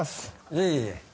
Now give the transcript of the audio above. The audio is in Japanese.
いえいえ。